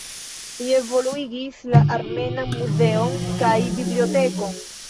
Li evoluigis la armenan muzeon kaj bibliotekon.